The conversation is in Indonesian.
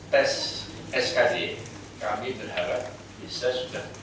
tes skd kami berharap bisa sudah